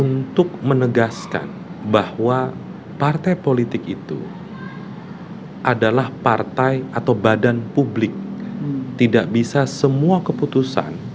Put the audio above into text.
untuk menegaskan bahwa partai politik itu adalah partai atau badan publik tidak bisa semua keputusan